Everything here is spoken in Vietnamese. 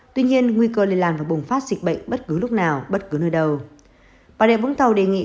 tuy nhiên nguy cơ lây lan và bùng phát dịch bệnh